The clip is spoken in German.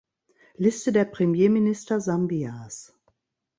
Liste der Premierminister Sambias